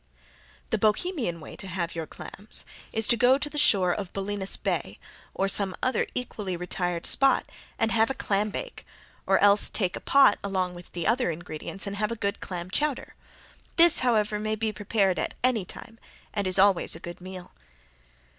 The Bohemian way to have your clams is to go to the shore of Bolinas Bay or some other equally retired spot, and have a clam bake, or else take a pot along with the other ingredients and have a good clam chowder. This, however, may be prepared at any time and is always a good meal.